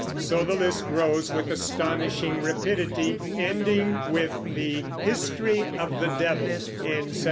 So the list grows with astonishing rapidity, ending with the History of the Devil in 1726.